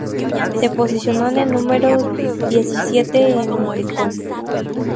Se posicionó en el número diecisiete en Oricon.